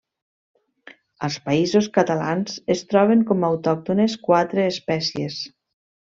Als Països Catalans es troben com autòctones quatre espècies.